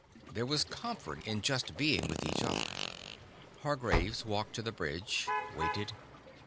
There was comfort in just being with each other. Hargraves walked to the bridge, waited.